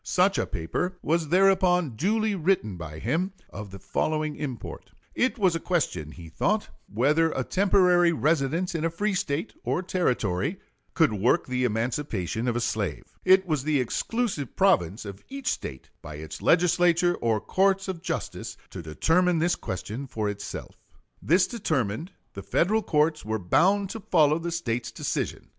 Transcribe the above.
Such a paper was thereupon duly written by him, of the following import: It was a question, he thought, whether a temporary residence in a free State or Territory could work the emancipation of a slave. It was the exclusive province of each State, by its Legislature or courts of justice, to determine this question for itself. This determined, the Federal courts were bound to follow the State's decision.